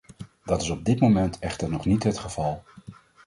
Dat is op dit moment echter nog niet het geval.